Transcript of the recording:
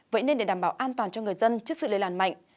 vậy nên để đảm bảo an toàn cho người dân trước sự lây lan mạnh